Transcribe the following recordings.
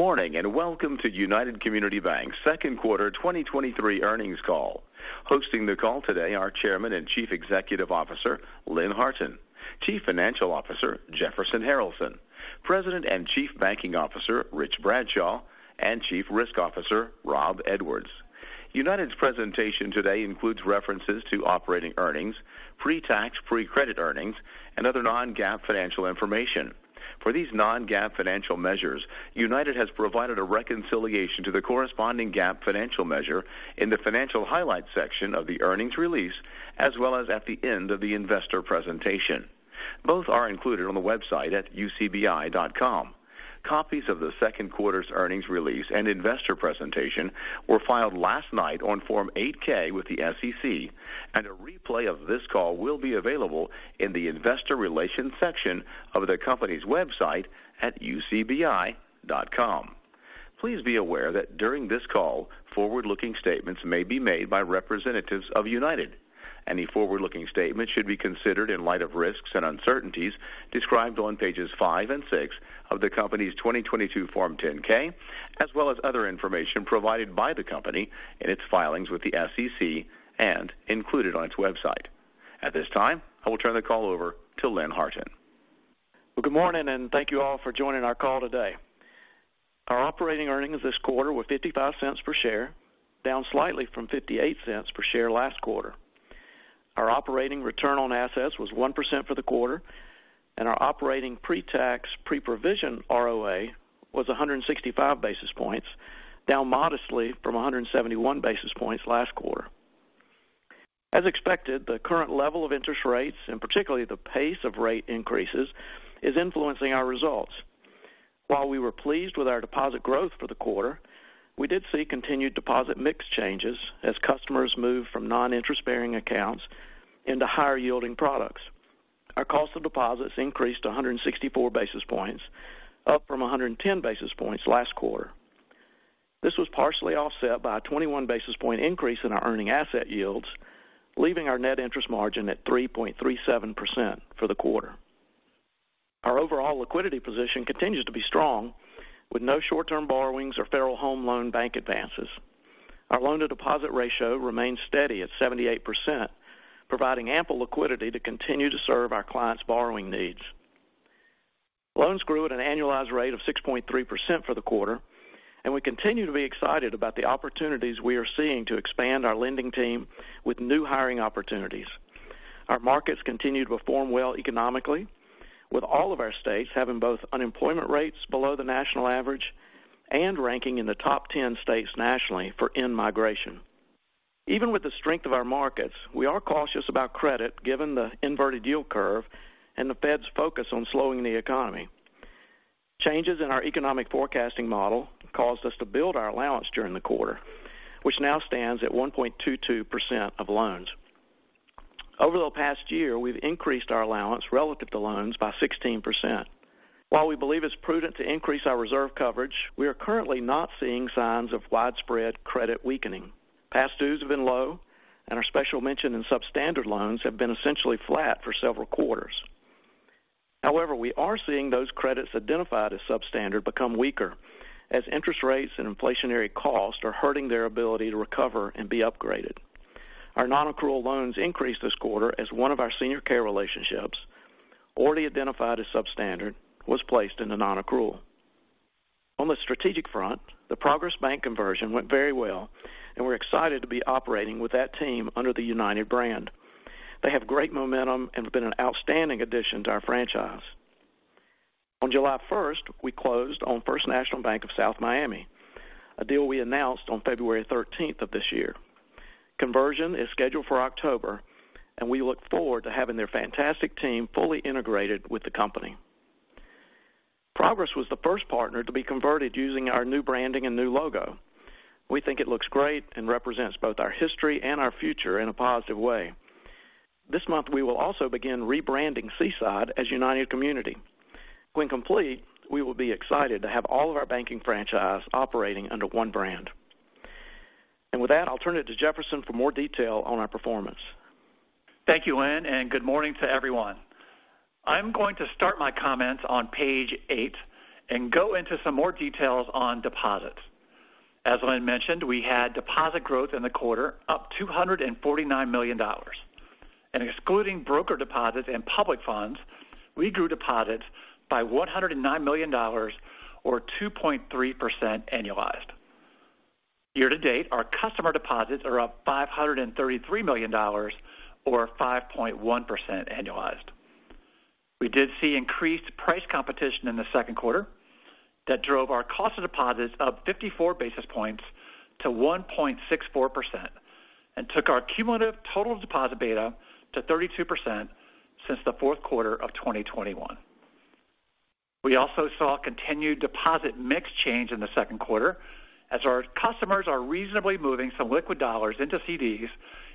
Good morning, and welcome to United Community Bank's 2nd quarter 2023 earnings call. Hosting the call today are Chairman and Chief Executive Officer, Lynn Harton, Chief Financial Officer, Jefferson Harralson, President and Chief Banking Officer, Rich Bradshaw, and Chief Risk Officer, Rob Edwards. United's presentation today includes references to operating earnings, pre-tax, pre-provision earnings, and other non-GAAP financial information. For these non-GAAP financial measures, United has provided a reconciliation to the corresponding GAAP financial measure in the Financial Highlights section of the earnings release, as well as at the end of the investor presentation. Both are included on the website at ucbi.com. Copies of the 2nd quarter's earnings release and investor presentation were filed last night on Form 8-K with the SEC, and a replay of this call will be available in the Investor Relations section of the company's website at ucbi.com. Please be aware that during this call, forward-looking statements may be made by representatives of United. Any forward-looking statements should be considered in light of risks and uncertainties described on Pages 5 and 6 of the company's 2022 Form 10-K, as well as other information provided by the company in its filings with the SEC and included on its website. At this time, I will turn the call over to Lynn Harton. Well, good morning, and thank you all for joining our call today. Our operating earnings this quarter were $0.55 per share, down slightly from $0.58 per share last quarter. Our operating return on assets was 1% for the quarter, and our operating pre-tax, pre-provision ROA was 165 basis points, down modestly from 171 basis points last quarter. As expected, the current level of interest rates, and particularly the pace of rate increases, is influencing our results. While we were pleased with our deposit growth for the quarter, we did see continued deposit mix changes as customers moved from non-interest-bearing accounts into higher-yielding products. Our cost of deposits increased to 164 basis points, up from 110 basis points last quarter. This was partially offset by a 21 basis point increase in our earning asset yields, leaving our net interest margin at 3.37% for the quarter. Our overall liquidity position continues to be strong, with no short-term borrowings or Federal Home Loan Bank advances. Our loan-to-deposit ratio remains steady at 78%, providing ample liquidity to continue to serve our clients' borrowing needs. Loans grew at an annualized rate of 6.3% for the quarter, and we continue to be excited about the opportunities we are seeing to expand our lending team with new hiring opportunities. Our markets continue to perform well economically, with all of our states having both unemployment rates below the national average and ranking in the top 10 states nationally for in-migration. Even with the strength of our markets, we are cautious about credit, given the inverted yield curve and the Fed's focus on slowing the economy. Changes in our economic forecasting model caused us to build our allowance during the quarter, which now stands at 1.22% of loans. Over the past year, we've increased our allowance relative to loans by 16%. While we believe it's prudent to increase our reserve coverage, we are currently not seeing signs of widespread credit weakening. Past dues have been low, and our special mention in substandard loans have been essentially flat for several quarters. However, we are seeing those credits identified as substandard become weaker, as interest rates and inflationary costs are hurting their ability to recover and be upgraded. Our nonaccrual loans increased this quarter as one of our senior care relationships, already identified as substandard, was placed into nonaccrual. On the strategic front, the Progress Bank conversion went very well, and we're excited to be operating with that team under the United brand. They have great momentum and have been an outstanding addition to our franchise. On July first, we closed on First National Bank of South Miami, a deal we announced on February thirteenth of this year. Conversion is scheduled for October, and we look forward to having their fantastic team fully integrated with the company. Progress was the first partner to be converted using our new branding and new logo. We think it looks great and represents both our history and our future in a positive way. This month, we will also begin rebranding Seaside as United Community. When complete, we will be excited to have all of our banking franchise operating under one brand. With that, I'll turn it to Jefferson for more detail on our performance. Thank you, Lynn, and good morning to everyone. I'm going to start my comments on page 8 and go into some more details on deposits. As Lynn mentioned, we had deposit growth in the quarter, up $249 million. Excluding broker deposits and public funds, we grew deposits by $109 million or 2.3% annualized. year-to-date, our customer deposits are up $533 million or 5.1% annualized. We did see increased price competition in the second quarter that drove our cost of deposits up 54 basis points to 1.64% and took our cumulative total deposit beta to 32% since the fourth quarter of 2021. We also saw continued deposit mix change in the second quarter as our customers are reasonably moving some liquid dollars into CDs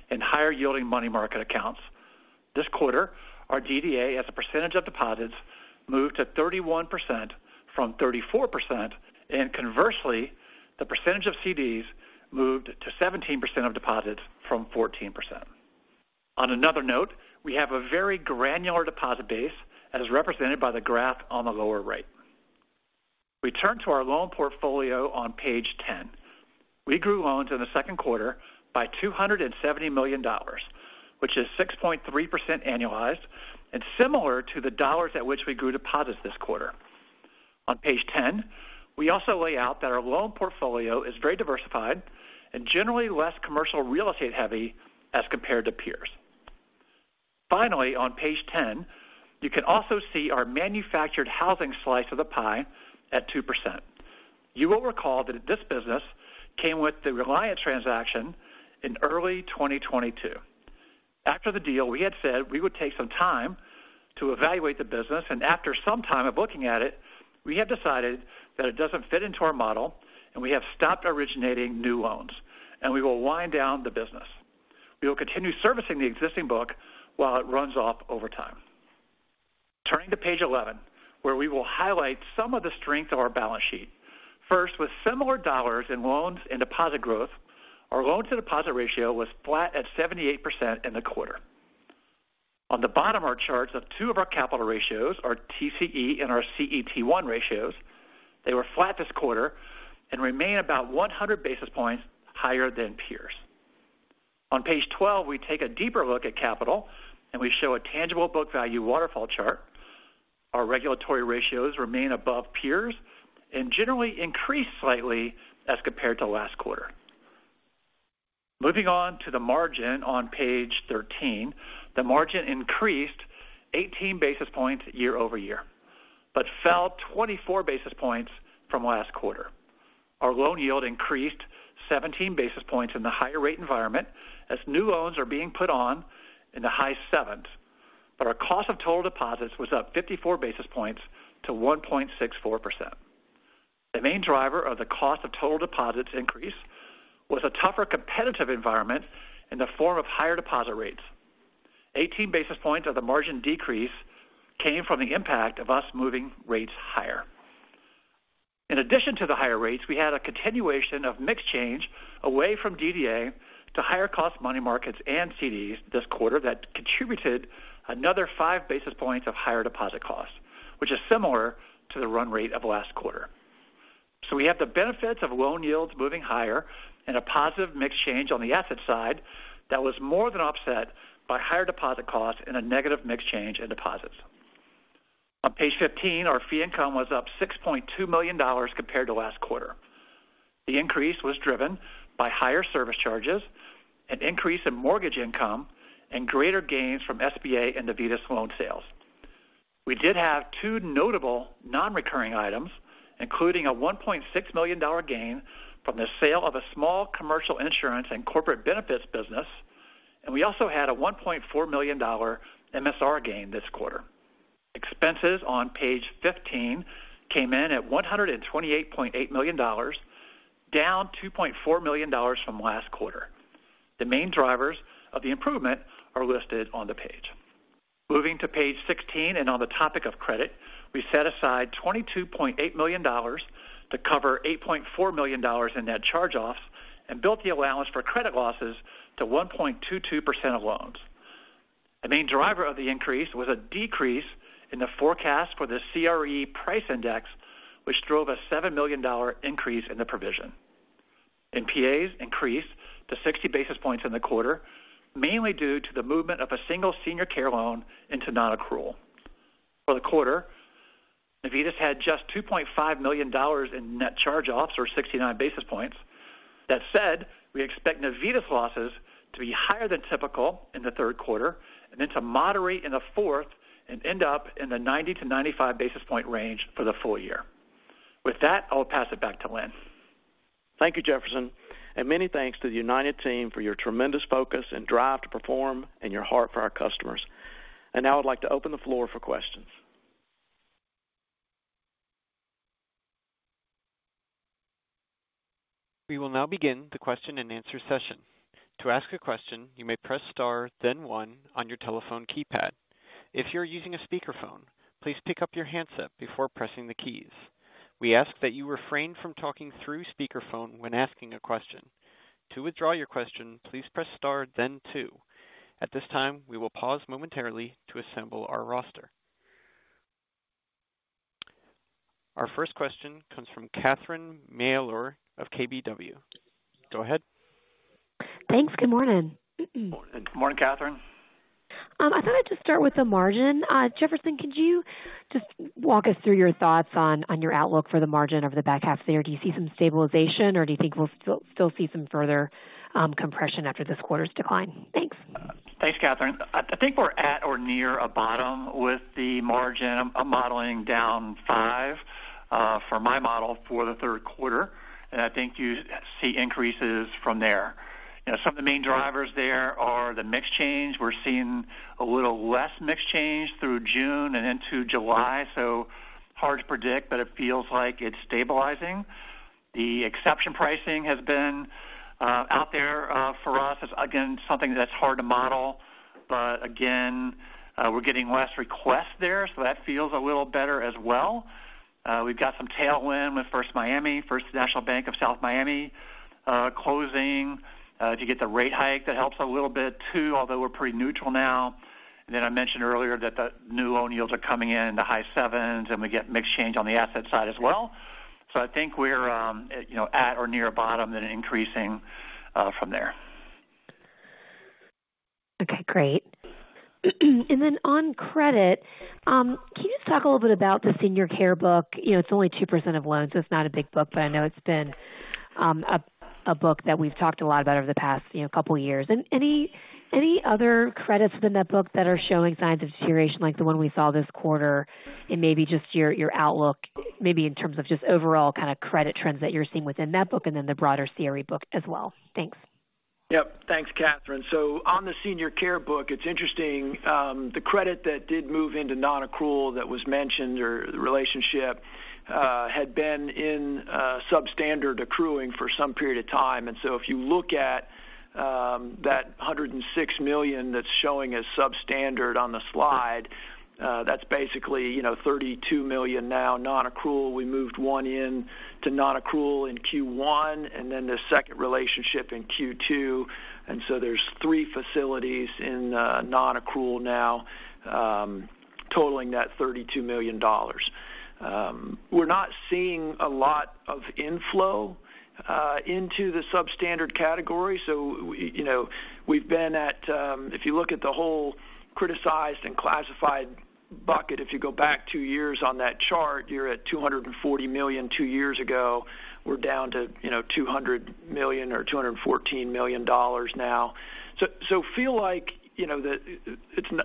and higher yielding money market accounts. This quarter, our DDA, as a percentage of deposits, moved to 31% from 34%, and conversely, the percentage of CDs moved to 17% of deposits from 14%. On another note, we have a very granular deposit base that is represented by the graph on the lower right. We turn to our loan portfolio on Page 10. We grew loans in the second quarter by $270 million, which is 6.3% annualized and similar to the dollars at which we grew deposits this quarter. On Page 10, we also lay out that our loan portfolio is very diversified and generally less commercial real estate heavy as compared to peers. Finally, on Page 10, you can also see our manufactured housing slice of the pie at 2%. You will recall that this business came with the Reliant transaction in early 2022. After the deal, we had said we would take some time to evaluate the business, and after some time of looking at it, we have decided that it doesn't fit into our model and we have stopped originating new loans, and we will wind down the business. We will continue servicing the existing book while it runs off over time. Turning to Page 11, where we will highlight some of the strength of our balance sheet. First, with similar dollars in loans and deposit growth, our loan to deposit ratio was flat at 78% in the quarter. On the bottom are charts of two of our capital ratios, our TCE and our CET1 ratios. They were flat this quarter and remain about 100 basis points higher than peers. On Page 12, we take a deeper look at capital, and we show a tangible book value waterfall chart. Our regulatory ratios remain above peers and generally increase slightly as compared to last quarter. Moving on to the margin on Page 13. The margin increased 18 basis points year-over-year, but fell 24 basis points from last quarter. Our loan yield increased 17 basis points in the higher rate environment as new loans are being put on in the high 7s. Our cost of total deposits was up 54 basis points to 1.64%. The main driver of the cost of total deposits increase was a tougher competitive environment in the form of higher deposit rates. 18 basis points of the margin decrease came from the impact of us moving rates higher. In addition to the higher rates, we had a continuation of mix change away from DDA to higher cost money markets and CDs this quarter that contributed another 5 basis points of higher deposit costs, which is similar to the run rate of last quarter. We have the benefits of loan yields moving higher and a positive mix change on the asset side that was more than offset by higher deposit costs and a negative mix change in deposits. On Page 15, our fee income was up $6.2 million compared to last quarter. The increase was driven by higher service charges, an increase in mortgage income, and greater gains from SBA and Navitas loan sales. We did have two notable non-recurring items, including a $1.6 million gain from the sale of a small commercial insurance and corporate benefits business, and we also had a $1.4 million MSR gain this quarter. Expenses on Page 15 came in at $128.8 million, down $2.4 million from last quarter. The main drivers of the improvement are listed on the page. Moving to Page 16, and on the topic of credit, we set aside $22.8 million to cover $8.4 million in net charge-offs and built the allowance for credit losses to 1.22% of loans. The main driver of the increase was a decrease in the forecast for the CRE price index, which drove a $7 million increase in the provision. NPAs increased to 60 basis points in the quarter, mainly due to the movement of a single senior care loan into non-accrual. For the quarter, Navitas had just $2.5 million in net charge-offs, or 69 basis points. That said, we expect Navitas losses to be higher than typical in the 3rd quarter and then to moderate in the 4th and end up in the 90-95 basis point range for the full year. With that, I'll pass it back to Lynn. Thank you, Jefferson, and many thanks to the United Team for your tremendous focus and drive to perform and your heart for our customers. Now I'd like to open the floor for questions. We will now begin the question-and-answer session. To ask a question, you may press star, then one on your telephone keypad. If you're using a speakerphone, please pick up your handset before pressing the keys. We ask that you refrain from talking through speakerphone when asking a question. To withdraw your question, please press star then two. At this time, we will pause momentarily to assemble our roster. Our first question comes from Catherine Mealor of KBW. Go ahead. Thanks. Good morning. Good morning, Catherine. I thought I'd just start with the margin. Jefferson, could you just walk us through your thoughts on your outlook for the margin over the back half of the year? Do you see some stabilization, or do you think we'll still see some further compression after this quarter's decline? Thanks. Thanks, Catherine. I think we're at or near a bottom with the margin. I'm modeling down five for my model for the third quarter, and I think you see increases from there. You know, some of the main drivers there are the mix change. We're seeing a little less mix change through June and into July, so hard to predict, but it feels like it's stabilizing. The exception pricing has been out there for us. It's again, something that's hard to model, but again, we're getting less requests there, so that feels a little better as well. we've got some tailwind with First Miami, First National Bank of South Miami, closing to get the rate hike. That helps a little bit, too, although we're pretty neutral now. Then I mentioned earlier that the new loan yields are coming in in the high sevens, and we get mixed change on the asset side as well. I think we're, you know, at or near bottom and increasing from there. Okay, great. On credit, can you just talk a little bit about the senior care book? You know, it's only 2% of loans, so it's not a big book, but I know it's been a book that we've talked a lot about over the past, you know, couple of years. Any other credits within that book that are showing signs of deterioration, like the one we saw this quarter, and maybe just your outlook, maybe in terms of just overall kind of credit trends that you're seeing within that book, and then the broader CRE book as well? Thanks. Yep. Thanks, Catherine. On the senior care book, it's interesting, the credit that did move into nonaccrual that was mentioned, or the relationship, had been in substandard accruing for some period of time. If you look at that $106 million that's showing as substandard on the slide, that's basically, you know, $32 million now, nonaccrual. We moved one in to nonaccrual in Q1, and then the second relationship in Q2. There's three facilities in nonaccrual now, totaling that $32 million. We're not seeing a lot of inflow into the substandard category. We, you know, we've been at... If you look at the whole criticized and classified bucket, if you go back two years on that chart, you're at $240 million two years ago. We're down to, you know, $200 million or $214 million now. Feel like, you know, that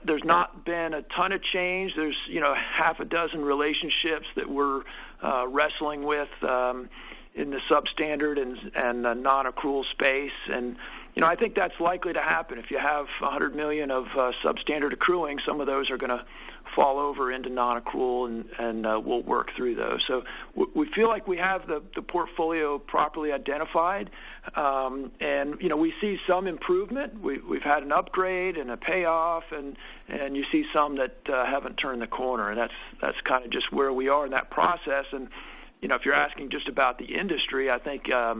there's not been a ton of change. There's, you know, six relationships that we're wrestling with in the substandard and the nonaccrual space. I think that's likely to happen. If you have $100 million of substandard accruing, some of those are going to fall over into nonaccrual, and we'll work through those. We feel like we have the portfolio properly identified, and, you know, we see some improvement. We've had an upgrade and a payoff, and you see some that haven't turned the corner, and that's kind of just where we are in that process. You know, if you're asking just about the industry, I think a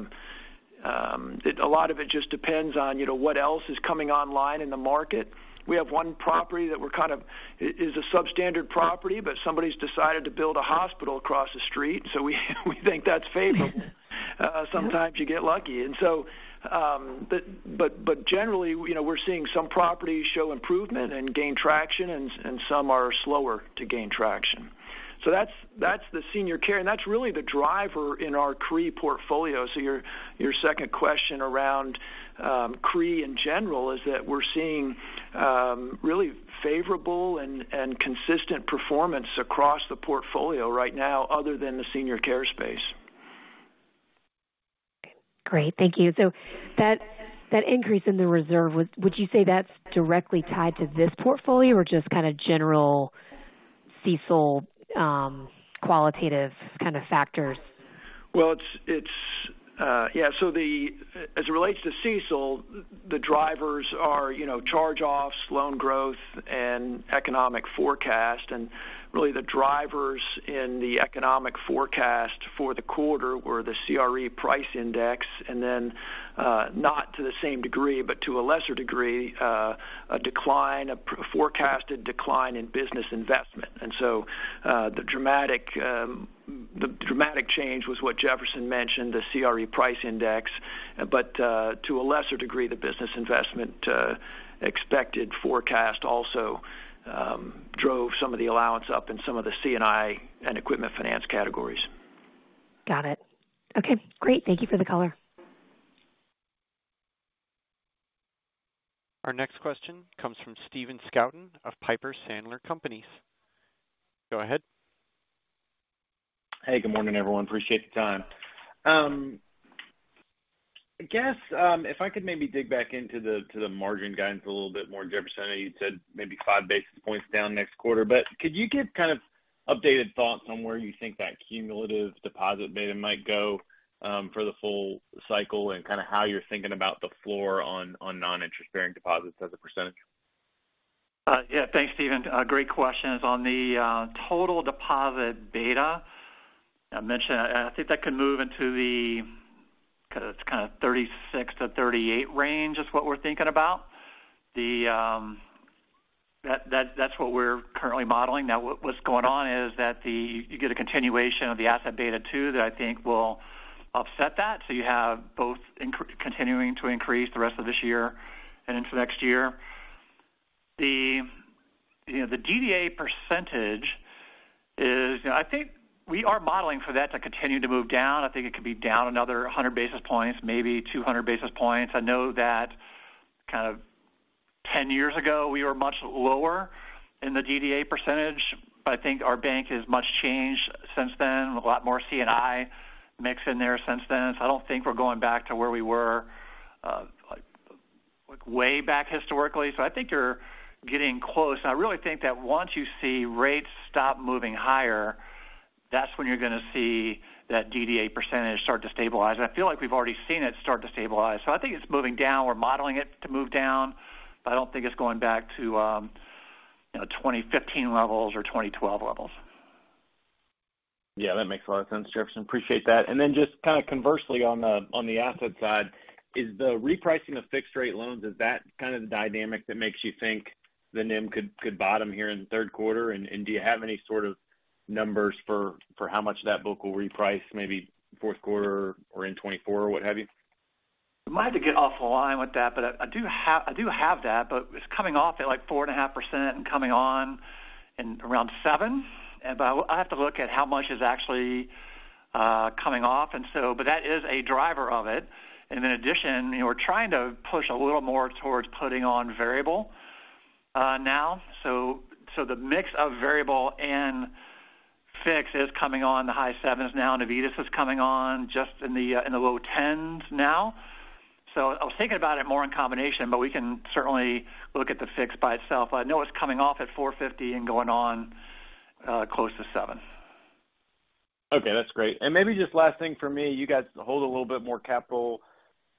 lot of it just depends on, you know, what else is coming online in the market. We have one property that we're it is a substandard property, but somebody's decided to build a hospital across the street, so we think that's favorable. Sometimes you get lucky. But generally, you know, we're seeing some properties show improvement and gain traction, and some are slower to gain traction. That's the senior care, and that's really the driver in our CRE portfolio. Your second question around CRE in general is that we're seeing really favorable and consistent performance across the portfolio right now other than the senior care space. Great. Thank you. That increase in the reserve, would you say that's directly tied to this portfolio or just kind of general CECL, qualitative kind of factors? Well, it's, Yeah, as it relates to CECL, the drivers are, you know, charge-offs, loan growth, and economic forecast. The drivers in the economic forecast for the quarter were the CRE price index, not to the same degree, but to a lesser degree, a decline, a forecasted decline in business investment. The dramatic change was what Jefferson mentioned, the CRE price index, to a lesser degree, the business investment expected forecast also drove some of the allowance up in some of the C&I and equipment finance categories. Got it. Okay, great. Thank you for the color. Our next question comes from Stephen Scouten of Piper Sandler Companies. Go ahead. Good morning, everyone. Appreciate the time. I guess, if I could maybe dig back into the, to the margin guidance a little bit more, Jefferson, I know you said maybe 5 basis points down next quarter, but could you give kind of updated thoughts on where you think that cumulative deposit beta might go, for the full cycle, and kind of how you're thinking about the floor on non-interest bearing deposits as a percentage? Yeah, thanks, Stephen. Great questions. On the total deposit beta, I think that could move into the kind of 36-38 range, is what we're thinking about. That's what we're currently modeling. What's going on is that you get a continuation of the asset beta, too, that I think will upset that. You have both continuing to increase the rest of this year and into next year. You know, the DDA percentage is, you know, I think we are modeling for that to continue to move down. I think it could be down another 100 basis points, maybe 200 basis points. I know that kind of 10 years ago, we were much lower in the DDA percentage, I think our bank has much changed since then. A lot more C&I mix in there since then. I don't think we're going back to where we were, like, way back historically. I think you're getting close, and I really think that once you see rates stop moving higher, that's when you're going to see that DDA % start to stabilize. I feel like we've already seen it start to stabilize. I think it's moving down. We're modeling it to move down, but I don't think it's going back to, you know, 2015 levels or 2012 levels. Yeah, that makes a lot of sense, Jefferson, appreciate that. Then just kind of conversely on the asset side, is the repricing of fixed rate loans, is that kind of the dynamic that makes you think the NIM could bottom here in the third quarter? Do you have any sort of numbers for how much that book will reprice, maybe fourth quarter or in 2024 or what have you? I might have to get off the line with that, but I do have that, but it's coming off at, like, 4.5% and coming on in around seven. I have to look at how much is actually coming off, but that is a driver of it. In addition, we're trying to push a little more towards putting on variable now. The mix of variable and fixed is coming on in the high 7s now, Navitas is coming on just in the low 10s now. I was thinking about it more in combination, but we can certainly look at the fixed by itself. I know it's coming off at 4.50 and going on close to seven. Okay, that's great. Maybe just last thing for me, you guys hold a little bit more capital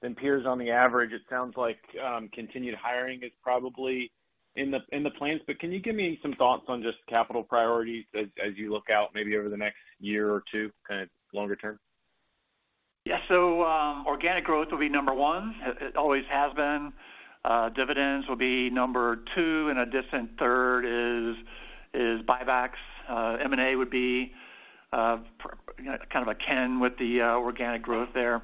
than peers on the average. It sounds like continued hiring is probably in the, in the plans, but can you give me some thoughts on just capital priorities as you look out maybe over the next year or two, kind of longer term? Yeah. Organic growth will be number one. It always has been. Dividends will be number two, and a distant third is buybacks. M&A would be kind of a kin with the organic growth there.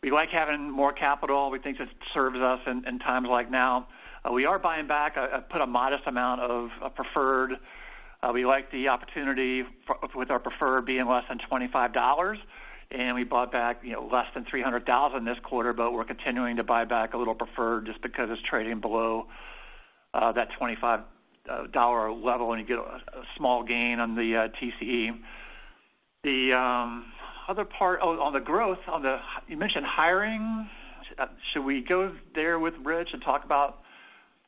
We like having more capital. We think that serves us in times like now. We are buying back, put a modest amount of preferred. We like the opportunity with our preferred being less than $25, and we bought back, you know, less than 300,000 this quarter, but we're continuing to buy back a little preferred just because it's trading below that $25 level, and you get a small gain on the TCE. The other part, you mentioned hiring. Should we go there with Rich and talk about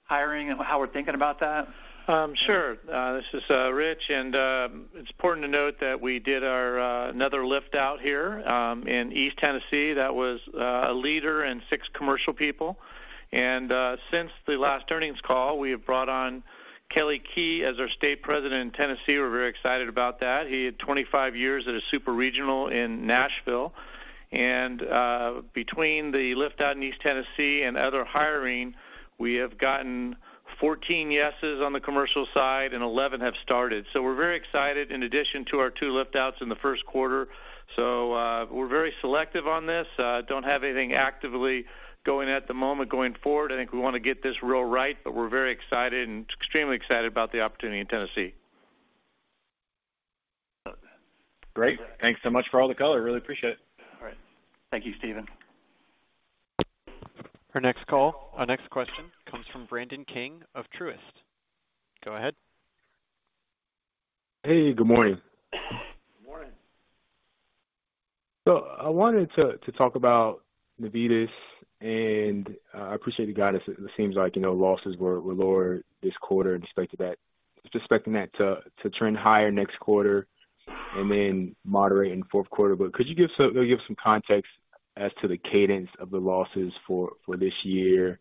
hiring and how we're thinking about that? This is Rich. It's important to note that we did our another lift out here in East Tennessee. That was a leader and six commercial people. Since the last earnings call, we have brought on Kelley Kee as our state president in Tennessee. We're very excited about that. He had 25 years at a super regional in Nashville. Between the lift out in East Tennessee and other hiring, we have gotten 14 yeses on the commercial side, and 11 have started. We're very excited in addition to our two lift outs in the first quarter. We're very selective on this. Don't have anything actively going at the moment, going forward. I think we want to get this real right, but we're very excited and extremely excited about the opportunity in Tennessee. Great. Thanks so much for all the color. Really appreciate it. All right. Thank you, Stephen. Our next question comes from Brandon King of Truist. Go ahead. Hey, good morning. Good morning. I wanted to talk about Navitas, and I appreciate the guidance. It seems like, you know, losses were lower this quarter in respect to that, expecting that to trend higher next quarter and then moderate in fourth quarter. Could you give some context as to the cadence of the losses for this year?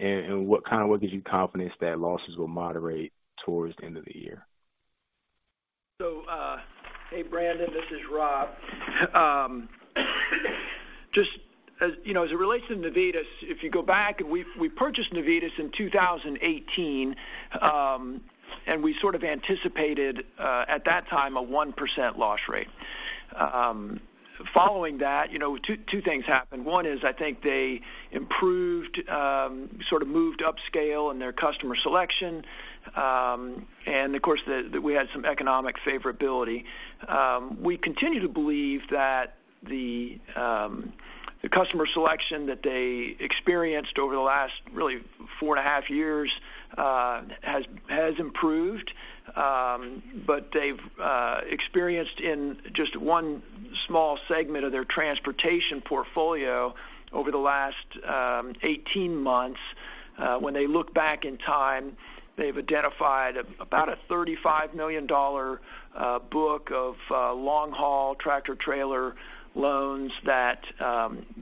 What kind of gives you confidence that losses will moderate towards the end of the year? Hey, Brandon, this is Rob. Just as, you know, as it relates to Navitas, if you go back and we purchased Navitas in 2018, we sort of anticipated at that time, a 1% loss rate. Following that, you know, two things happened. One is I think they improved, sort of moved upscale in their customer selection, of course, we had some economic favorability. We continue to believe that the customer selection that they experienced over the last, really, 4.5 years, has improved, they've experienced in just one small segment of their transportation portfolio over the last 18 months. When they look back in time, they've identified about a $35 million book of long-haul tractor trailer loans that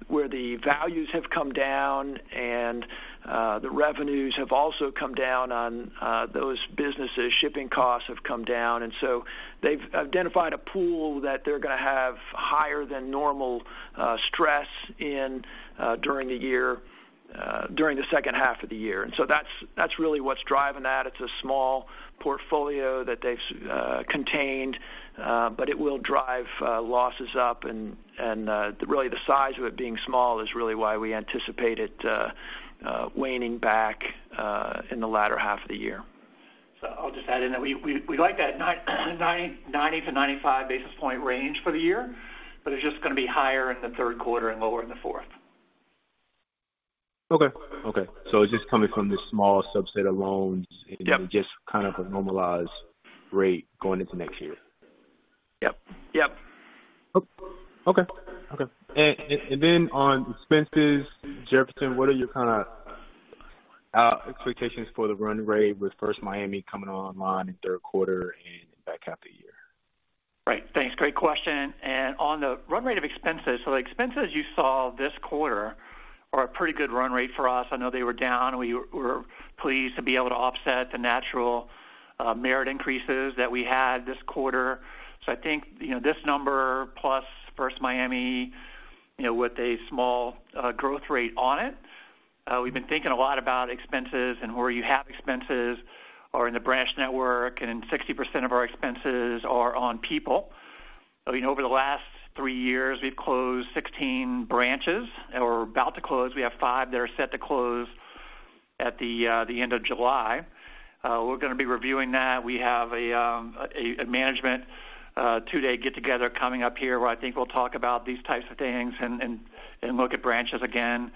where the values have come down and the revenues have also come down on those businesses. Shipping costs have come down, they've identified a pool that they're going to have higher than normal stress in during the year, during the second half of the year. That's really what's driving that. It's a small portfolio that they've contained, but it will drive losses up, and really the size of it being small is really why we anticipate it waning back in the latter half of the year. I'll just add in that we like that 90-95 basis point range for the year, but it's just going to be higher in the third quarter and lower in the fourth. Okay. it's just coming from this small subset of loans- Yep. Just kind of a normalized rate going into next year. Yep, yep. Okay. On expenses, Jefferson, what are your kind of expectations for the run rate with First Miami coming online in third quarter and back half the year? Right. Thanks. Great question. On the run rate of expenses, the expenses you saw this quarter are a pretty good run rate for us. I know they were down. We were pleased to be able to offset the natural merit increases that we had this quarter. I think, you know, this number, plus First Miami, you know, with a small growth rate on it, we've been thinking a lot about expenses and where you have expenses are in the branch network. 60% of our expenses are on people. You know, over the last three years, we've closed 16 branches, or we're about to close. We have five that are set to close at the end of July. We're going to be reviewing that. We have a management two-day get together coming up here, where I think we'll talk about these types of things and look at branches again.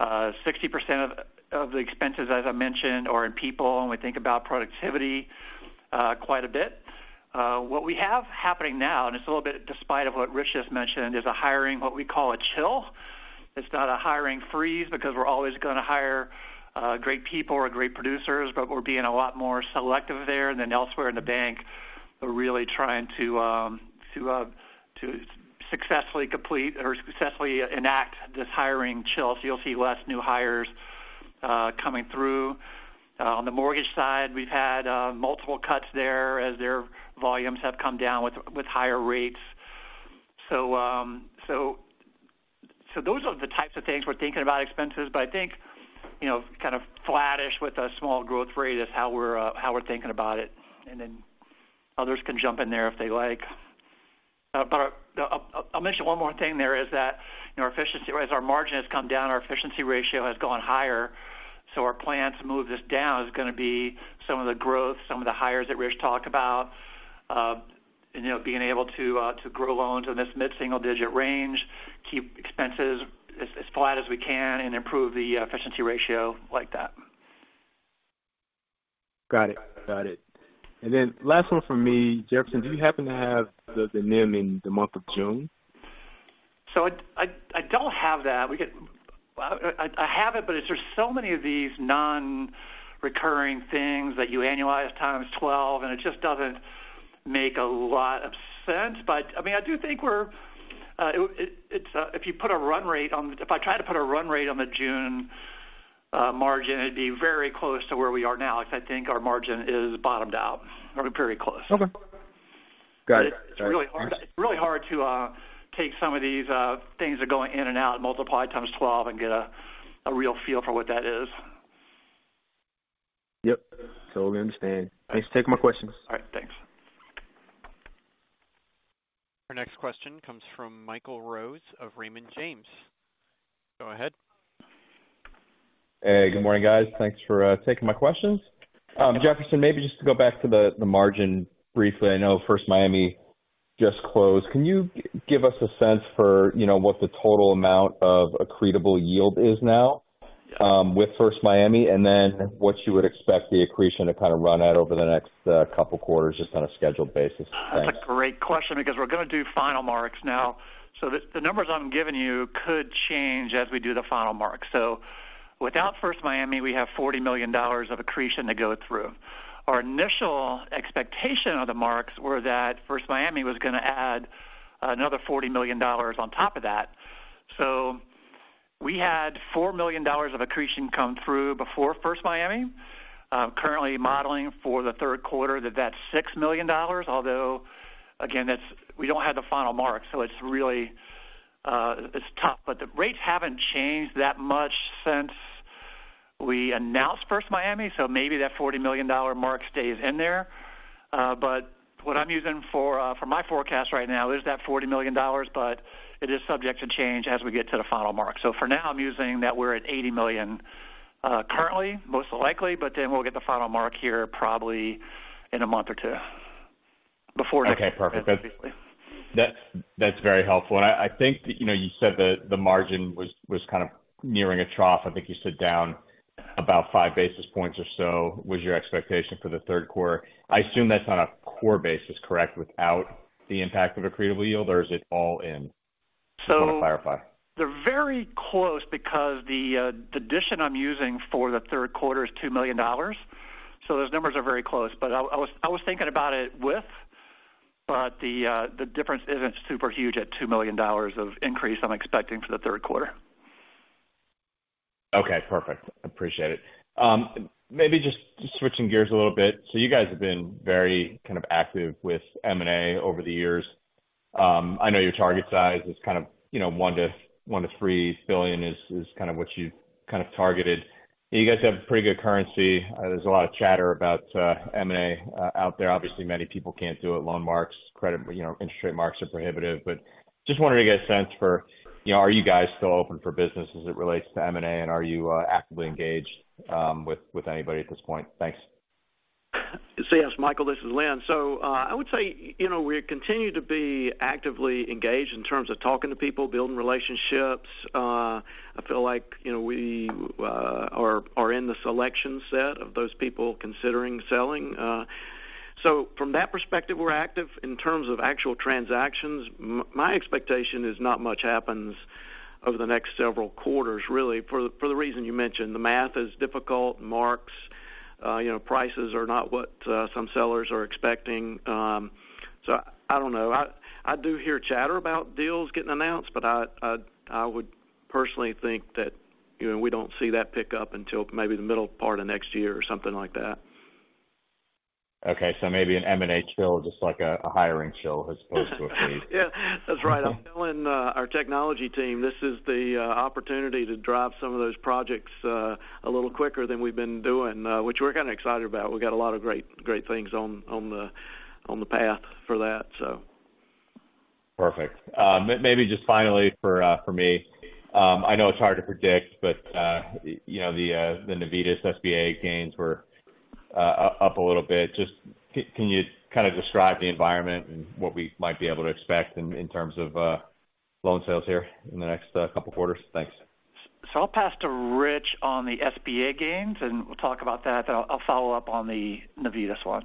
60% of the expenses, as I mentioned, are in people, and we think about productivity quite a bit. What we have happening now, and it's a little bit despite of what Rich just mentioned, is a hiring, what we call a chill. It's not a hiring freeze, because we're always going to hire great people or great producers, but we're being a lot more selective there than elsewhere in the bank. We're really trying to successfully complete or successfully enact this hiring chill. You'll see less new hires coming through. On the mortgage side, we've had multiple cuts there as their volumes have come down with higher rates. So those are the types of things we're thinking about expenses, but I think, you know, kind of flattish with a small growth rate is how we're thinking about it, and then others can jump in there if they like. But I'll mention one more thing there is that, you know, our efficiency, as our margin has come down, our efficiency ratio has gone higher. Our plan to move this down is going to be some of the growth, some of the hires that Rich talked about. You know, being able to grow loans in this mid-single digit range, keep expenses as flat as we can, and improve the efficiency ratio like that. Got it. Last one from me. Jefferson, do you happen to have the NIM in the month of June? I don't have that. I have it, but there's so many of these non-recurring things that you annualize times 12, and it just doesn't make a lot of sense. I mean, I do think we're, it's, if you put a run rate on. If I try to put a run rate on the June margin, it'd be very close to where we are now, because I think our margin is bottomed out or pretty close. Okay. Got it. It's really hard to take some of these things that are going in and out, multiply times 12 and get a real feel for what that is. Yep. We understand. Thanks for taking my questions. All right, thanks. Our next question comes from Michael Rose of Raymond James. Go ahead. Hey, good morning, guys. Thanks for taking my questions. Jefferson, maybe just to go back to the margin briefly. I know First Miami just closed. Can you give us a sense for, you know, what the total amount of accretable yield is now with First Miami? What you would expect the accretion to kind of run at over the next couple quarters, just on a scheduled basis? That's a great question, because we're going to do final marks now. The numbers I'm giving you could change as we do the final mark. Without First Miami, we have $40 million of accretion to go through. Our initial expectation of the marks were that First Miami was going to add another $40 million on top of that. We had $4 million of accretion come through before First Miami. Currently modeling for the third quarter, that's $6 million, although, again, we don't have the final mark, so it's really tough. The rates haven't changed that much since we announced First Miami, so maybe that $40 million mark stays in there. What I'm using for my forecast right now is that $40 million, but it is subject to change as we get to the final mark. For now, I'm using that we're at $80 million, currently, most likely, but then we'll get the final mark here, probably in a month or two. Okay, perfect. That's, that's very helpful. I think, you know, you said that the margin was kind of nearing a trough. I think you said down about 5 basis points or so, was your expectation for the 3rd quarter. I assume that's on a core basis, correct? Without the impact of accretable yield, or is it all in? So- Just want to clarify. They're very close because the addition I'm using for the third quarter is $2 million, so those numbers are very close. I was thinking about it with, but the difference isn't super huge at $2 million of increase I'm expecting for the third quarter. Okay, perfect. Appreciate it. Maybe just switching gears a little bit. You guys have been very kind of active with M&A over the years. I know your target size is kind of, you know, $1 billion-$3 billion is kind of what you've kind of targeted. You guys have pretty good currency. There's a lot of chatter about M&A out there. Obviously, many people can't do it. Loan marks, credit, you know, interest rate marks are prohibitive. Just wanted to get a sense for, you know, are you guys still open for business as it relates to M&A, and are you actively engaged with anybody at this point? Thanks. Yes, Michael Rose, this is Lynn Harton. I would say, you know, we continue to be actively engaged in terms of talking to people, building relationships. I feel like, you know, we are in the selection set of those people considering selling. From that perspective, we're active. In terms of actual transactions, my expectation is not much happens over the next several quarters, really, for the reason you mentioned. The math is difficult, marks you know, prices are not what some sellers are expecting. I don't know. I do hear chatter about deals getting announced, but I, I would personally think that, you know, we don't see that pick up until maybe the middle part of next year or something like that. Maybe an M&A chill, just like a hiring chill as opposed to a fee. Yeah, that's right. I'm telling, our technology team, this is the opportunity to drive some of those projects, a little quicker than we've been doing, which we're kind of excited about. We've got a lot of great things on the path for that, so. Perfect. maybe just finally for me, I know it's hard to predict, but, you know, the Navitas SBA gains were up a little bit. Just can you kind of describe the environment and what we might be able to expect in terms of loan sales here in the next couple of quarters? Thanks. I'll pass to Rich on the SBA gains, and we'll talk about that, and I'll follow up on the Navitas one.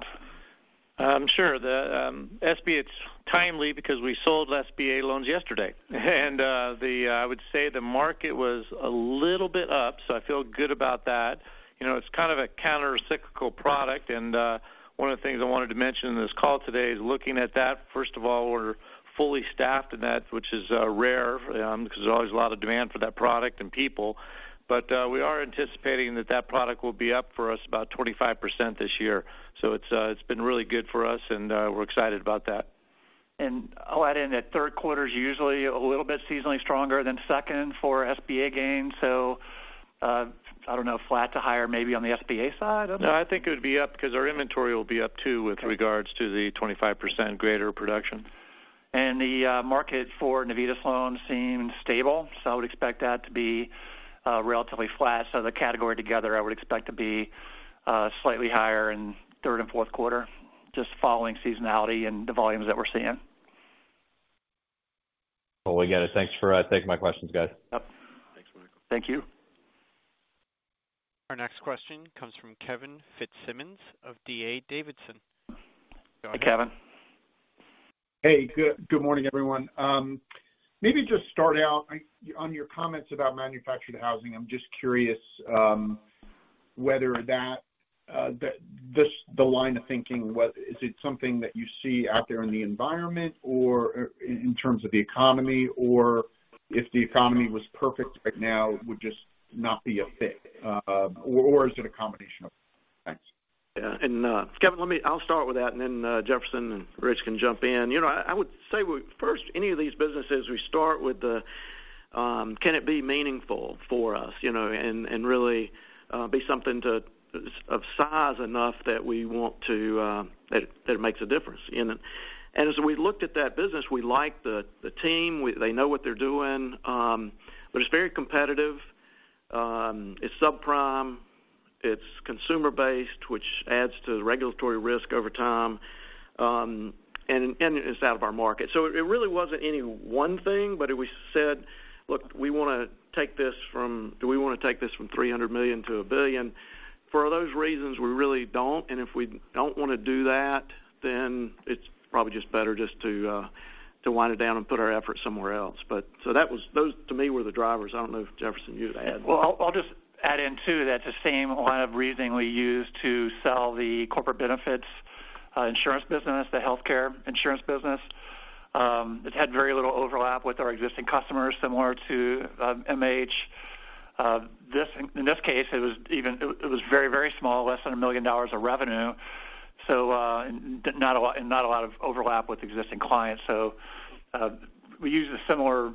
Sure. The SBA, it's timely because we sold SBA loans yesterday. I would say the market was a little bit up, so I feel good about that. You know, it's kind of a countercyclical product, and one of the things I wanted to mention in this call today is looking at that. First of all, we're fully staffed in that, which is rare, because there's always a lot of demand for that product and people. We are anticipating that product will be up for us about 25% this year. It's been really good for us, and we're excited about that. I'll add in that third quarter is usually a little bit seasonally stronger than second for SBA gain. I don't know, flat to higher, maybe on the SBA side. No, I think it would be up because our inventory will be up, too, with regards to the 25% greater production. The market for Navitas loans seem stable, so I would expect that to be relatively flat. The category together, I would expect to be slightly higher in third and fourth quarter, just following seasonality and the volumes that we're seeing. Well, we get it. Thanks for taking my questions, guys. Yep. Thanks, Michael. Thank you. Our next question comes from Kevin Fitzsimmons of D.A. Davidson. Hi, Kevin. Hey, good morning, everyone. Maybe just start out on your comments about manufactured housing. I'm just curious whether that the line of thinking, is it something that you see out there in the environment or in terms of the economy, or if the economy was perfect right now, would just not be a fit, or is it a combination of them? Thanks. Yeah, Kevin, let me I'll start with that, and then Jefferson and Rich can jump in. You know, I would say, first, any of these businesses, we start with the can it be meaningful for us, you know, and really be something to, of size enough that we want to, that makes a difference in it. As we looked at that business, we liked the team. They know what they're doing, but it's very competitive. It's subprime, it's consumer-based, which adds to the regulatory risk over time, and it's out of our market. It really wasn't any one thing, but we said: Look, do we wanna take this from $300 million-$1 billion? For those reasons, we really don't. If we don't wanna do that, then it's probably just better just to wind it down and put our efforts somewhere else. Those, to me, were the drivers. I don't know if, Jefferson, I'll just add in, too, that's the same line of reasoning we used to sell the corporate benefits insurance business, the healthcare insurance business. It had very little overlap with our existing customers, similar to MH. In this case, it was even, it was very small, less than $1 million of revenue, not a lot, and not a lot of overlap with existing clients. We use a similar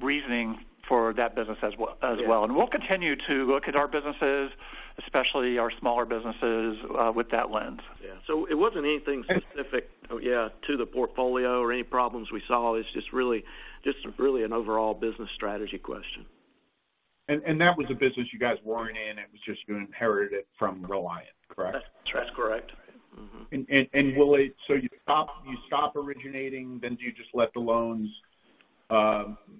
reasoning for that business as well. Yeah. We'll continue to look at our businesses, especially our smaller businesses, with that lens. Yeah. It wasn't anything specific, yeah, to the portfolio or any problems we saw. It's just really an overall business strategy question. That was a business you guys weren't in, it was just you inherited it from Reliant, correct? That's correct. That's correct. You stop originating, then do you just let the loans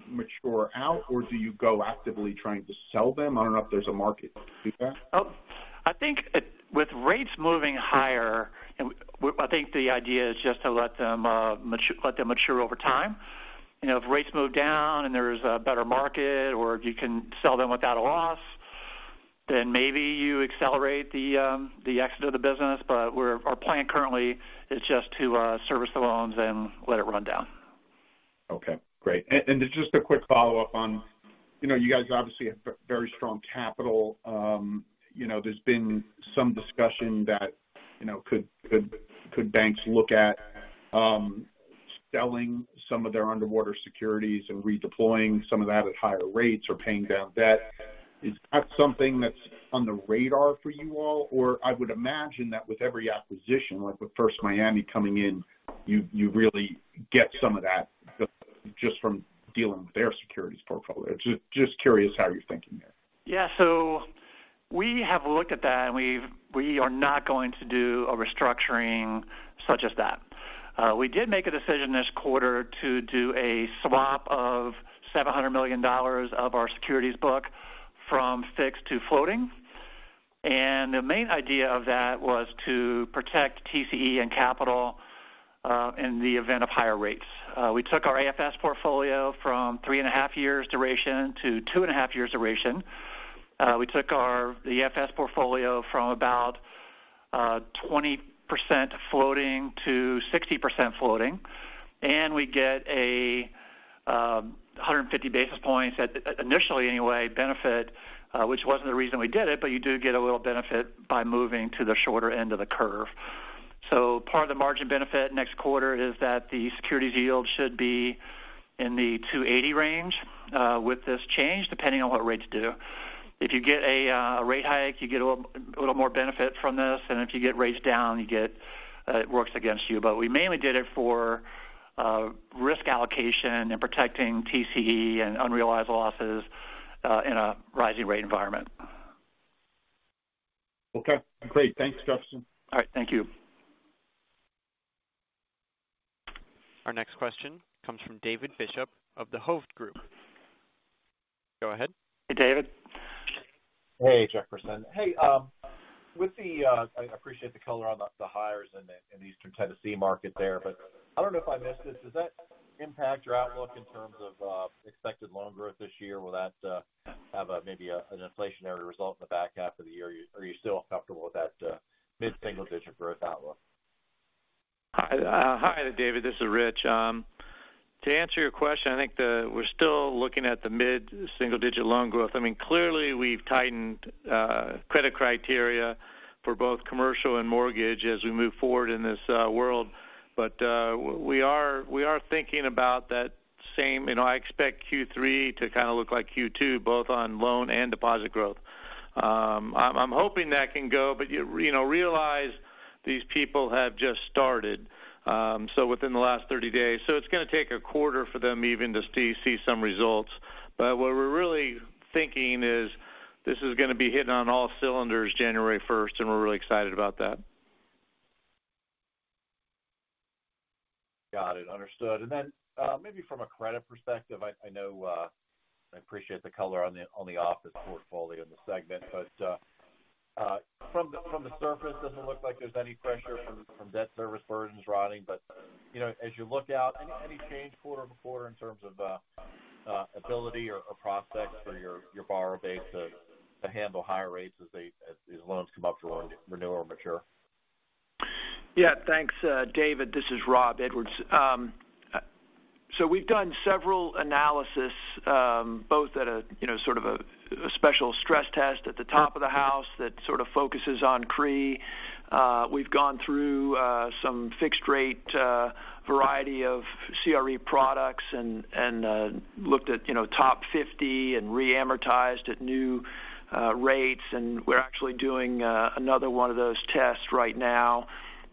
mature out, or do you go actively trying to sell them? I don't know if there's a market to do that. I think with rates moving higher, I think the idea is just to let them mature, let them mature over time. You know, if rates move down and there is a better market, or if you can sell them without a loss, then maybe you accelerate the exit of the business. Our plan currently is just to service the loans and let it run down. Okay, great. Just a quick follow-up on, you know, you guys obviously have very strong capital. You know, there's been some discussion that, you know, could banks look at selling some of their underwater securities and redeploying some of that at higher rates or paying down debt? Is that something that's on the radar for you all? Or I would imagine that with every acquisition, like with First Miami coming in, you really get some of that just from dealing with their securities portfolio. Just curious how you're thinking there. Yeah, we have looked at that, and we are not going to do a restructuring such as that. We did make a decision this quarter to do a swap of $700 million of our securities book from fixed to floating. The main idea of that. Was to protect TCE and capital in the event of higher rates. We took our AFS portfolio from three and a half years duration to two and a half years duration. We took the AFS portfolio from about 20% floating to 60% floating, and we get a 150 basis points at, initially anyway, benefit, which wasn't the reason we did it, but you do get a little benefit by moving to the shorter end of the curve. Part of the margin benefit next quarter is that the securities yield should be in the 280 range with this change, depending on what rates do. If you get a rate hike, you get a little more benefit from this, and if you get rates down, you get, it works against you. We mainly did it for risk allocation and protecting TCE and unrealized losses in a rising rate environment. Okay, great. Thanks, Jefferson. All right, thank you. Our next question comes from David Bishop of Hovde Group. Go ahead. Hey, David. Hey, Jefferson. I appreciate the color on the hires in the Eastern Tennessee market there, but I don't know if I missed this: Does that impact your outlook in terms of expected loan growth this year? Will that have a maybe an inflationary result in the back half of the year, or are you still comfortable with that mid-single digit growth outlook? Hi, David, this is Rich. To answer your question, I think we're still looking at the mid-single digit loan growth. I mean, clearly, we've tightened credit criteria for both commercial and mortgage as we move forward in this world. We are thinking about that same... You know, I expect Q3 to kind of look like Q2, both on loan and deposit growth. I'm hoping that can go, but, you know, realize these people have just started, so within the last 30 days. It's going to take a quarter for them even to see some results. What we're really thinking is this is going to be hitting on all cylinders January first, and we're really excited about that. Got it, understood. Maybe from a credit perspective, I know, I appreciate the color on the office portfolio in the segment, but from the surface, doesn't look like there's any pressure from debt service versions ratios. You know, as you look out, any change quarter on quarter in terms of ability or prospects for your borrower base to handle higher rates as these loans come up to renew or mature? Yeah. Thanks, David. This is Rob Edwards. We've done several analysis, both at a, you know, sort of a special stress test at the top of the house that sort of focuses on CRE. We've gone through some fixed rate variety of CRE products and looked at, you know, top 50 and re-amortized at new rates, and we're actually doing another one of those tests right now.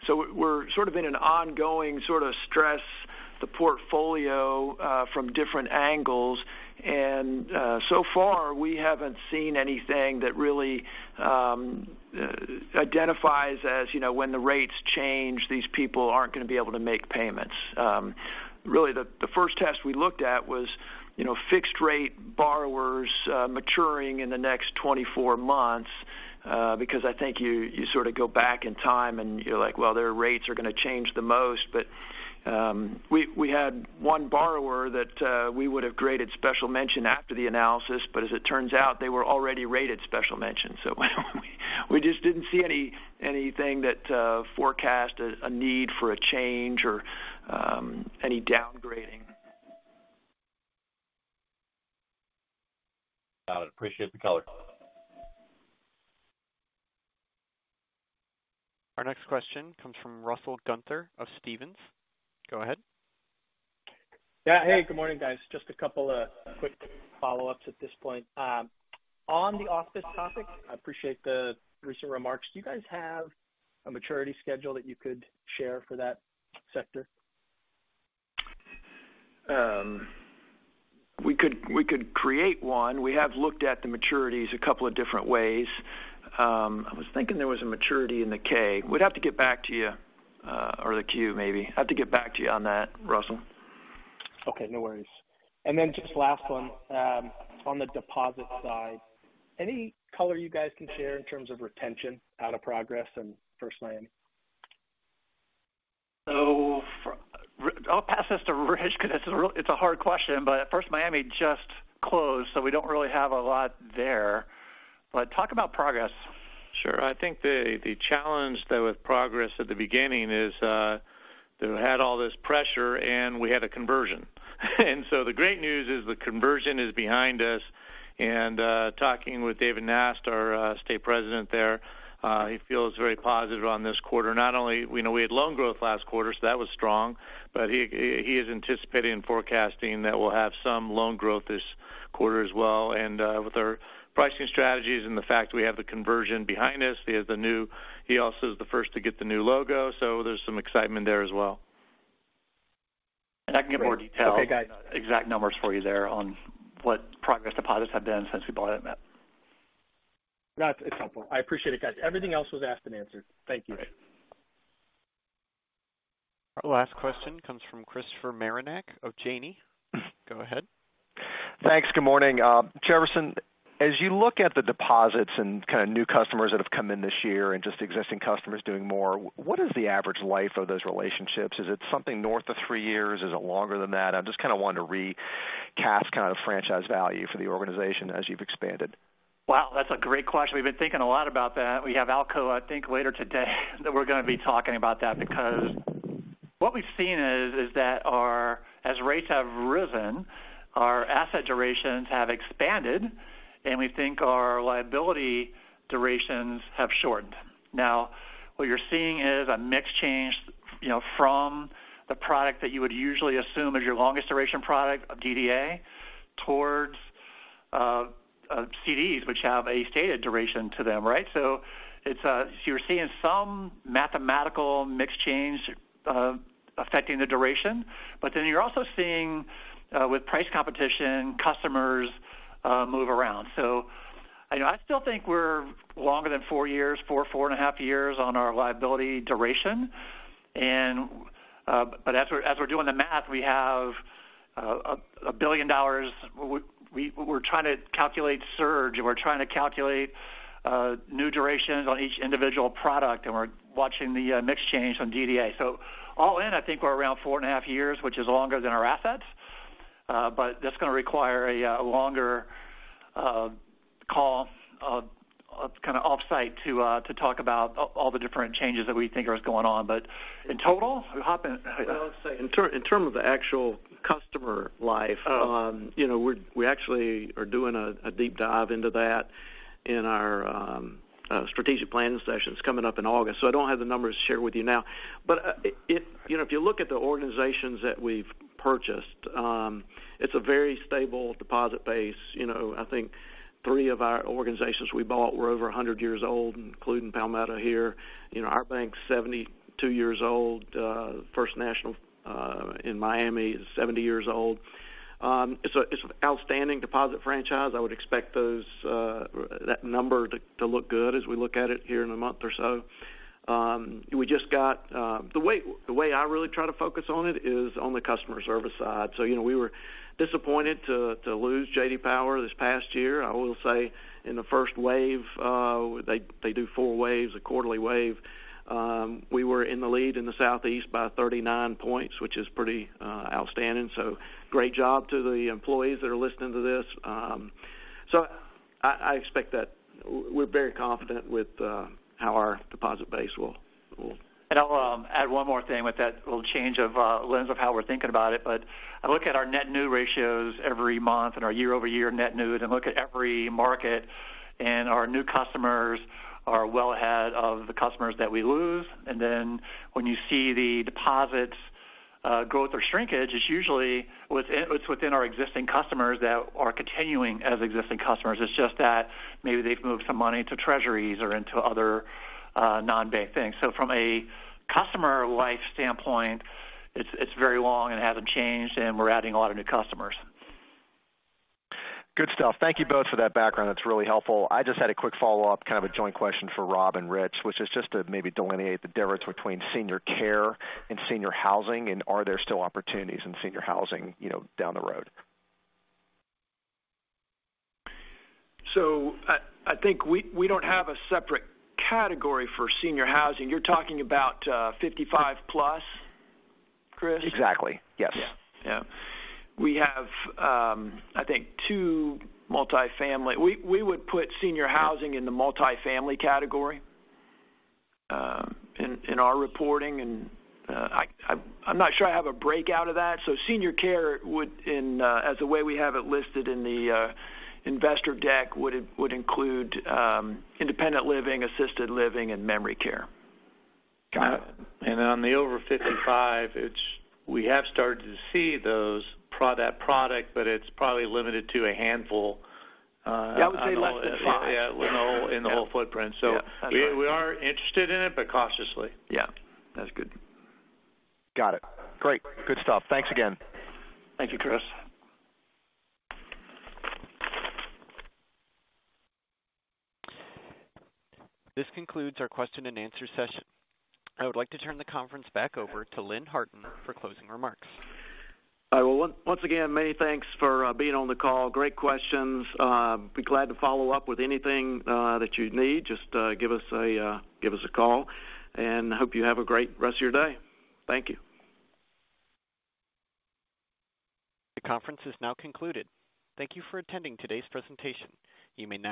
We're sort of in an ongoing sort of stress the portfolio from different angles, and so far, we haven't seen anything that really identifies as, you know, when the rates change, these people aren't going to be able to make payments. Really, the first test we looked at was, you know, fixed rate borrowers, maturing in the next 24 months, because I think you sort of go back in time, and you're like: Their rates are going to change the most. We had one borrower that we would have graded special mention after the analysis, but as it turns out, they were already rated special mention, so we just didn't see anything that forecast a need for a change or any downgrading. Got it. Appreciate the color. Our next question comes from Russell Gunther of Stephens. Go ahead. Yeah. Hey, good morning, guys. Just a couple of quick follow-ups at this point. On the office topic, I appreciate the recent remarks. Do you guys have a maturity schedule that you could share for that sector? We could create one. We have looked at the maturities a couple of different ways. I was thinking there was a maturity in the K. We'd have to get back to you, or the Q maybe. I have to get back to you on that, Russell. Okay, no worries. Just last one, on the deposit side, any color you guys can share in terms of retention out of Progress and First Miami? I'll pass this to Rich because it's a hard question, but First Miami just closed, so we don't really have a lot there. Talk about Progress. Sure. I think the challenge, though, with Progress at the beginning is that we had all this pressure, and we had a conversion. The great news is the conversion is behind us, talking with David Nast, our State President there, he feels very positive on this quarter. Not only, we know we had loan growth last quarter, so that was strong, but he is anticipating and forecasting that we'll have some loan growth this quarter as well. With our pricing strategies and the fact that we have the conversion behind us, he has the new he also is the first to get the new logo, so there's some excitement there as well. I can give more detail-. Okay, got it. exact numbers for you there on what Progress deposits have been since we bought Internet. That's it. Simple. I appreciate it, guys. Everything else was asked and answered. Thank you. Our last question comes from Christopher Marinac of Janney. Go ahead. Thanks. Good morning. Jefferson, as you look at the deposits and kind of new customers that have come in this year and just existing customers doing more, what is the average life of those relationships? Is it something north of three years? Is it longer than that? I just kind of wanted to recast kind of franchise value for the organization as you've expanded. Wow, that's a great question! We've been thinking a lot about that. We have ALCO, I think, later today, that we're going to be talking about that, because what we've seen is, as rates have risen, our asset durations have expanded, and we think our liability durations have shortened. What you're seeing is a mix change, you know, from the product that you would usually assume is your longest duration product, a DDA, towards CDs, which have a stated duration to them, right? You're seeing some mathematical mix change affecting the duration, you're also seeing with price competition, customers move around. I know, I still think we're longer than four and a half years on our liability duration. But as we're doing the math, we have $1 billion. We're trying to calculate surge, and we're trying to calculate new durations on each individual product, and we're watching the mix change on DDA. All in, I think we're around four and a half years, which is longer than our assets, but that's going to require a longer call kind of off-site to talk about all the different changes that we think are going on. In total, we hop in. I would say, in term of the actual customer life, you know, we actually are doing a deep dive into that in our strategic planning sessions coming up in August. I don't have the numbers to share with you now. If, you know, if you look at the organizations that we've purchased, it's a very stable deposit base. You know, I think three of our organizations we bought were over 100 years old, including Palmetto here. You know, our bank's 72 years old, First National in Miami is 70 years old. It's an outstanding deposit franchise. I would expect those that number to look good as we look at it here in a month or so. We just got- The way I really try to focus on it is on the customer service side. You know, we were disappointed to lose J.D. Power this past year. I will say in the first wave, they do four waves, a quarterly wave. We were in the lead in the Southeast by 39 points, which is pretty outstanding. Great job to the employees that are listening to this. I expect that we're very confident with how our deposit base will. I'll add one more thing with that little change of lens of how we're thinking about it. I look at our net new ratios every month and our year-over-year net new, and look at every market, and our new customers are well ahead of the customers that we lose. When you see the deposits growth or shrinkage, it's usually within our existing customers that are continuing as existing customers. It's just that maybe they've moved some money to treasuries or into other non-bank things. From a customer life standpoint, it's very long and hasn't changed, and we're adding a lot of new customers. Good stuff. Thank you both for that background. That's really helpful. I just had a quick follow-up, kind of a joint question for Rob and Rich, which is just to maybe delineate the difference between senior care and senior housing. Are there still opportunities in senior housing, you know, down the road? I think we don't have a separate category for senior housing. You're talking about 55+, Chris? Exactly, yes. Yeah. Yeah. We have, I think two multifamily. We would put senior housing in the multifamily category, in our reporting. I'm not sure I have a breakout of that. Senior care would in, as the way we have it listed in the investor deck, would include, independent living, assisted living, and memory care. Got it. On the over 55, we have started to see that product, but it's probably limited to a handful. Yeah, I would say less than five. Yeah, in the whole footprint. Yeah. We are interested in it, but cautiously. Yeah, that's good. Got it. Great! Good stuff. Thanks again. Thank you, Chris. This concludes our question and answer session. I would like to turn the conference back over to Lynn Harton for closing remarks. Well, once again, many thanks for being on the call. Great questions. Be glad to follow up with anything that you need. Just give us a call, and hope you have a great rest of your day. Thank you. The conference is now concluded. Thank you for attending today's presentation. You may.